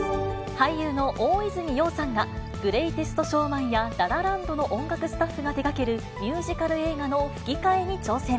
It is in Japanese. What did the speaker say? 俳優の大泉洋さんが、グレイテスト・ショーマンやラ・ラ・ランドの音楽スタッフが手がけるミュージカル映画の吹き替えに挑戦。